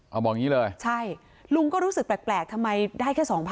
เอาบอกอย่างนี้เลยใช่ลุงก็รู้สึกแปลกทำไมได้แค่๒๐๐๐